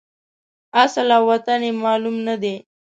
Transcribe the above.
اصل او وطن یې معلوم نه دی.